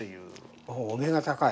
おお目が高い。